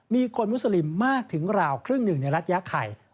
มีคนมุสลิมมากถึงราวครึ่งหนึ่งในรัฐยาไข่